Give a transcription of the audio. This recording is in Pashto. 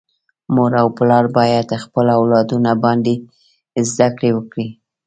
مور او پلار باید خپل اولادونه باندي زده کړي وکړي.